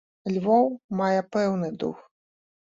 Львоў мае пэўны дух.